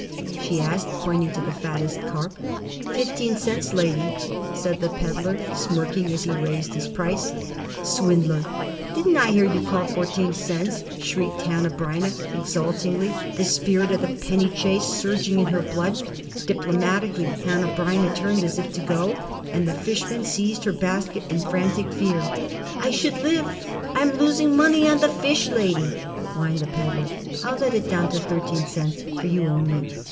she asked pointing to the fattest carp. "Fifteen cents, lady," said the peddler, smirking as he raised his price. "Swindler! Didn't I hear you call fourteen cents?" shrieked Hanneh Breineh, exultingly, the spirit of the penny chase surging in her blood. Diplomatically, Hanneh Breineh turned as if to go, and the fishman seized her basket in frantic fear. "I should live; I'm losing money on the fish, lady," whined the peddler. "I'll let it down to thirteen cents for you only."